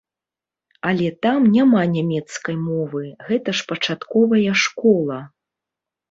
Але там няма нямецкай мовы, гэта ж пачатковая школа.